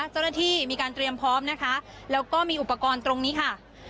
เจ้าหน้าที่มีการเตรียมพร้อมนะคะแล้วก็มีอุปกรณ์ตรงนี้ค่ะ